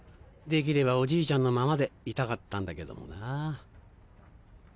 できればおじいちゃんのままでいたかったんだけどもな。